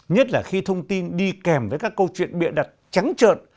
nhất là khi thông tin đi kèm với các câu chuyện bịa đặt trắng trợn